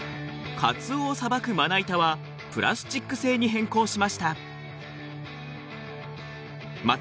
カツオをさばくまな板はプラスチック製に変更しました。